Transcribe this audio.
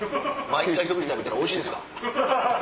毎回食事食べたら「おいしいですか？」。